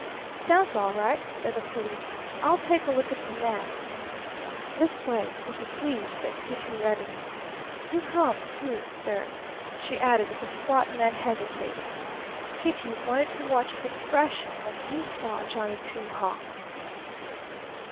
"Sounds all right," said the policeman. "I'll take a look at the man." "This way, if you please," said Kitty, readily. "You come, too, sir," she added as the squat man hesitated. Kitty wanted to watch his expression when he saw Johnny Two Hawks.